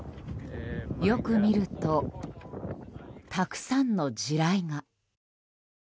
よく見ると、たくさんの地雷が。